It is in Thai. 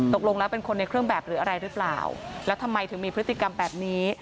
ตกลงแล้วเป็นคนในเครื่องแบบหรืออะไรหรือเปล่าแล้วทำไมถึงมีพฤติกรรมแบบนี้